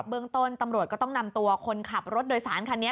เมืองต้นตำรวจก็ต้องนำตัวคนขับรถโดยสารคันนี้